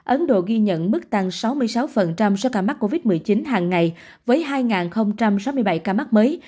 ấn độ ghi nhận mức tăng sáu mươi sáu số ca mắc covid một mươi chín hàng ngày với hai sáu mươi bảy ca mắc mới